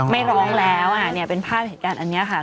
ไม่ร้องแล้วเนี่ยเป็นภาพเหตุการณ์อันนี้ค่ะ